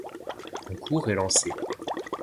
Un concours est lancé.